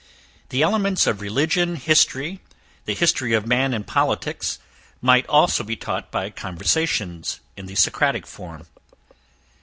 The elements of religion, history, the history of man, and politics, might also be taught by conversations, in the socratic form.